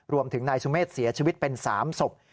รวมถึงนายสุเมฆเสียชีวิตเป็น๓ศพ